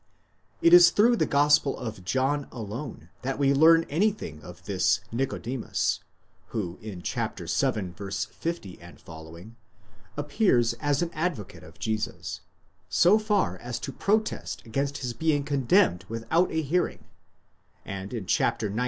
It is through the Gospel of John alone that we learn anything of this Nicodemus, who in vii. 50 f. appears as the advocate of Jesus, so far as to protest against his being condemned without a hearing, and in xix.